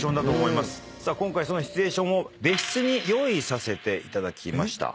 今回そのシチュエーションを別室に用意させていただきました。